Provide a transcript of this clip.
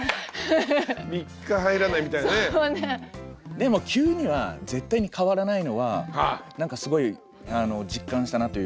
でも急には絶対に変わらないのはすごい実感したなというか。